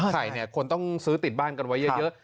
ไข่เนี่ยคนต้องซื้อติดบ้านกันไว้เยอะ